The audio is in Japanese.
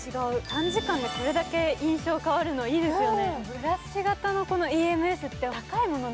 短時間でこれだけ印象変わるの、いいですよね。